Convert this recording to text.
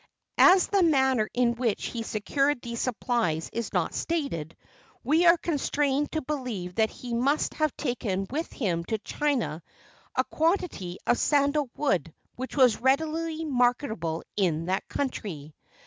As the manner in which he secured these supplies is not stated, we are constrained to believe that he must have taken with him to China a quantity of sandal wood, which was readily marketable in that country.